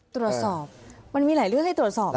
ตรวจสอบมันมีหลายเรื่องให้ตรวจสอบ